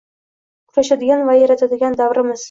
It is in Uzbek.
kurashadigan va yaratadigan davrimiz.